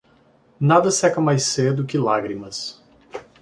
Nada seca mais cedo que lágrimas.